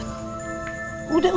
udah udah azad